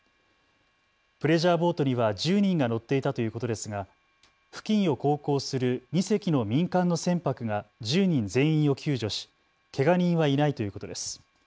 プレジャーボートには１０人が乗っていたということですが付近を航行する２隻の民間の船舶が１０人全員を救助しけが人はいないということです。